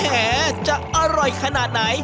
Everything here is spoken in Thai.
จะอร่อยขนาดไหน